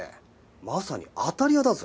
まさに当たり屋だぞ。